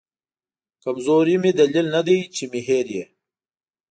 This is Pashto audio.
کمزوري مې دلیل ندی چې مې هېر یې